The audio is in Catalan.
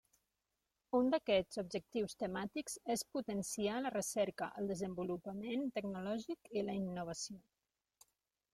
Un d'aquests objectius temàtics és potenciar la recerca, el desenvolupament tecnològic i la innovació.